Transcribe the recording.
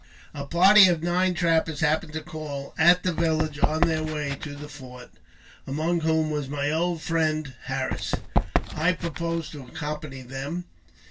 A PARTY of nine trappers happening to call at the village ; l\ on their way to the fort, among whom was my old ' friend Harris, I proposed to aqcompany them.